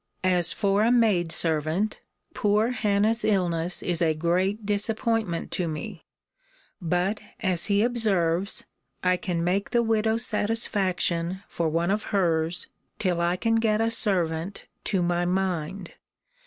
As for a maid servant, poor Hannah's illness is a great disappointment to me: but, as he observes, I can make the widow satisfaction for one of hers, till I can get a servant to my mind.